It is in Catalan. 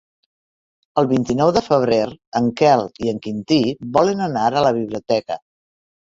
El vint-i-nou de febrer en Quel i en Quintí volen anar a la biblioteca.